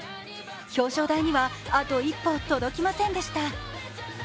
表彰台にはあと一歩届きませんでした。